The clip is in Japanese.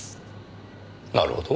なるほど。